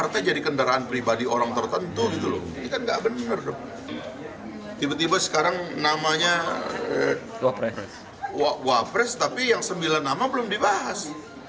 tiba tiba sekarang namanya wapres tapi yang sembilan nama belum dibahas